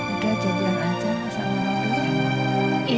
udah jodohan aja sama robi ya